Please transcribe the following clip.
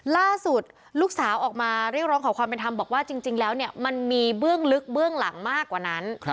ล่าสุดลูกสาวออกมาเรียกร้องขอความเป็นธรรมบอกว่าจริงแล้วเนี่ยมันมีเบื้องลึกเบื้องหลังมากกว่านั้น